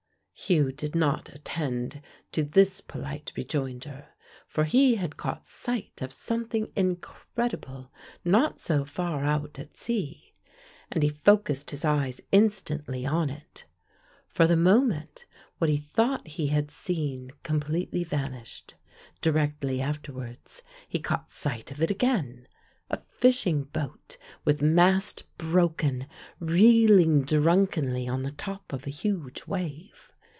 Hugh did not attend to this polite rejoinder, for he had caught sight of something incredible not so far out at sea, and he focused his eyes instantly on it. For the moment, what he thought he had seen completely vanished; directly afterwards he caught sight of it again, a fishing boat with mast broken, reeling drunkenly on the top of a huge wave.